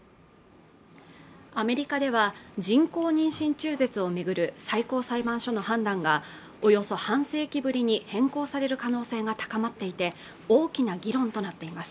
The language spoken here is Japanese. アメリカでは人工妊娠中絶を巡る最高裁判所の判断がおよそ半世紀ぶりに変更される可能性が高まっていて大きな議論となっています